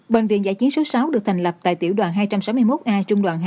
bệnh viện giã chiến số sáu được thành lập tại tiểu đoàn hai trăm sáu mươi một a trung đoàn hai